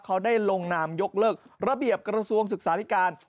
เขาได้ลงนามยกเลิกระเบียบกระทรวงศึกษาธิการ